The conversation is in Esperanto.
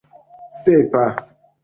sepa